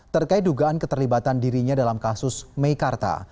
terkait dugaan keterlibatan dirinya dalam kasus meikarta